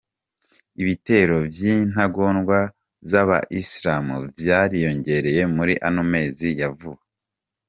Ibitero vy'intagondwa z'aba Islamu vyariyongeye muri ano mezi ya vuba.